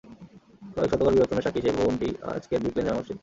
কয়েক শতকের বিবর্তনের সাক্ষী সেই ভবনটিই আজকের ব্রিক লেন জামে মসজিদ।